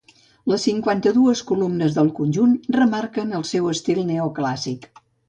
Les cinquanta-dues columnes del conjunt remarquen el seu estil neoclàssic.